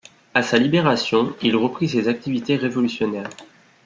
À sa libération, il reprit ses activités révolutionnaires.